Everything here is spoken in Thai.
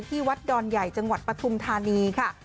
ที่วัดดอนใหญ่จังหวัดปฐุมธานีค่ะ